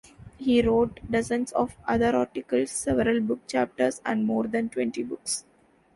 He wrote dozens of other articles, several book chapters, and more than twenty books.